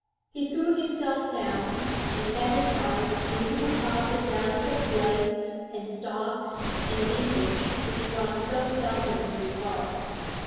He threw himself down, and let his eyes dream upon the delicate blades and stalks and leafage which one so seldom regards.